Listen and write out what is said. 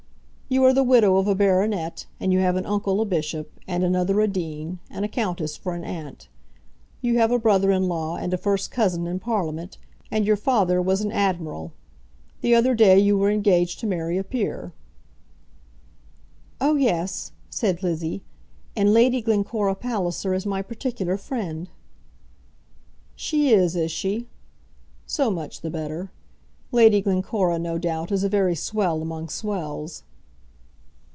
You are the widow of a baronet, and you have an uncle a bishop, and another a dean, and a countess for an aunt. You have a brother in law and a first cousin in Parliament, and your father was an admiral. The other day you were engaged to marry a peer." "Oh yes," said Lizzie, "and Lady Glencora Palliser is my particular friend." "She is; is she? So much the better. Lady Glencora, no doubt, is a very swell among swells."